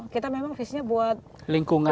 kita memang visinya buat lingkungan